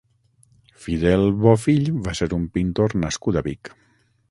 Fidel Bofill va ser un pintor nascut a Vic.